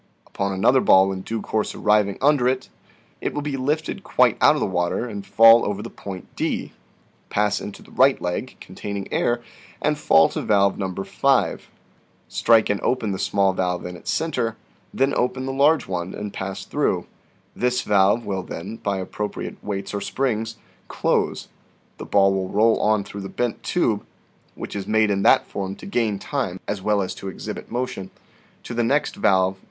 Upon another ball in due course arriving under it, it will be lifted quite out of the water, and fall over the PERPETUAL MOTION 59 point D, pass into the right leg (containing air), and fall to valve No. 5, strike and open the small valve in its center, then open the large one, and pass through ; this valve will then, by appropriate weights or springs, close; the ball will roll on through the bent tube (which is made in that form to gain time as well as to exhibit motion) to the next valve (No.